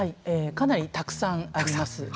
かなりたくさんあります。